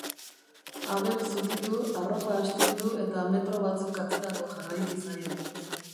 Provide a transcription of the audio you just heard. Abel zutitu, arropa astindu eta metro batzuk atzerago jarraiki zaio.